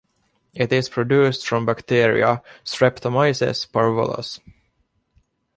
It is produced from bacteria "Streptomyces parvullus".